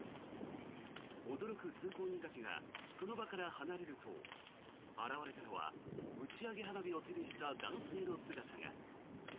驚く通行人たちがその場から離れると現れたのは打ち上げ花火を手にした男性の姿が。